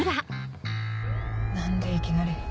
何でいきなり。